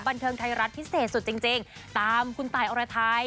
บันเทิงไทยรัฐพิเศษสุดจริงตามคุณตายอรไทย